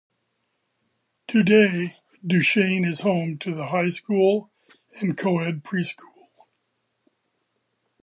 Today Duchesne is home to the high school and a co-ed preschool.